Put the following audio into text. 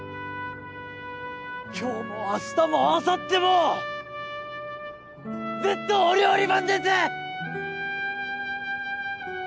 今日も明日もあさってもずっとお料理番です！